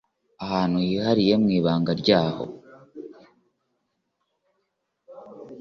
ahantu hihariye mwibanga ryabo